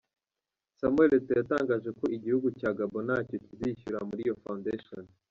Samuel Eto’O yatangaje ko igihugu cya Gabon ntacyo kizishyura muri iyo Fondation.